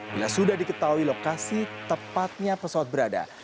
bila sudah diketahui lokasi tepatnya pesawat berada